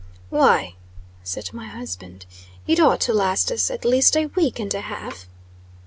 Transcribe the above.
"Why," said my husband, "it ought to last us at least a week and a half."